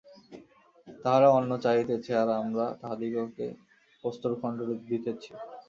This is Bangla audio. তাহারা অন্ন চাহিতেছে, আর আমরা তাহাদিগকে প্রস্তরখণ্ড দিতেছি।